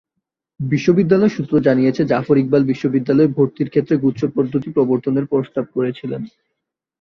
বিশ্ববিদ্যালয় সূত্র জানিয়েছে, জাফর ইকবাল বিশ্ববিদ্যালয়ে ভর্তির ক্ষেত্রে গুচ্ছ পদ্ধতি প্রবর্তনের প্রস্তাব করেছিলেন।